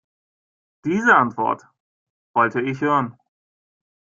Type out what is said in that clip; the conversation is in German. Diese Antwort wollte ich hören.